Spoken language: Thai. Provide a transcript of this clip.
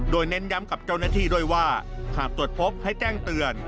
โดยเน้นย้ำกับเจ้าหน้าที่ด้วยว่าหากตรวจพบให้แจ้งเตือน